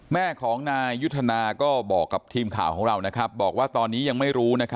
แม่ของนายยุทธนาก็บอกกับทีมข่าวของเราบอกว่าตอนนี้ยังไม่รู้